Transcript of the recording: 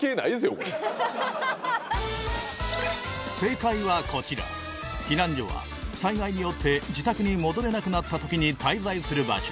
これ正解はこちら避難所は災害によって自宅に戻れなくなったときに滞在する場所